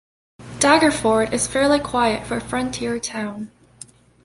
Daggerford is fairly quiet for a frontier town.